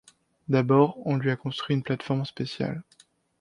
D'abord, on lui a construit une plate-forme spéciale.